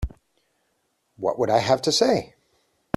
What would I have to say?